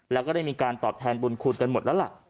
แล้วก็ได้มีการตอบแทนบุญคุณกันหมดแล้วล่ะ